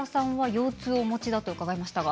腰痛持ちだと伺いましたが。